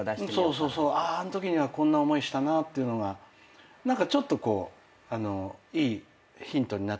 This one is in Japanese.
そうそうあんときにはこんな思いしたなっていうのが何かちょっといいヒントになったりしますよね。